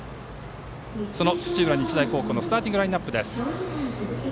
その土浦日大高校スターティングラインナップ。